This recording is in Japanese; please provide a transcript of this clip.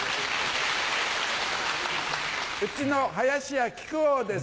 うちの林家木久扇です。